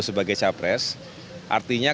sebagai capres artinya